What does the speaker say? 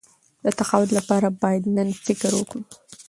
د تقاعد لپاره باید نن فکر وکړو.